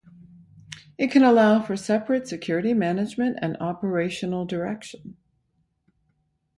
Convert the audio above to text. It can allow for separate security management and operational direction.